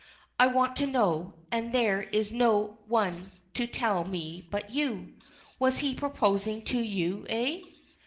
I want to know, and there is no one to tell me but you. Was he proposing to you, eh?"